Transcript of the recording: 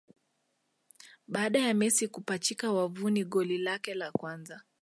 Baada ya Messi kupachika wavuni goli lake la kwanza